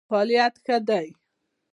فعالیت ښه دی.